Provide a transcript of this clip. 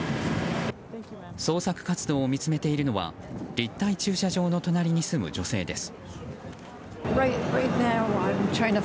捜索活動を見つめているのは立体駐車場の隣に住む女性です。